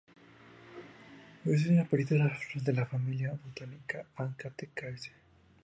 Es un especialista de la familia botánica Acanthaceae.